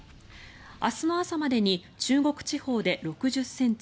明日の朝までに中国地方で６０ｃｍ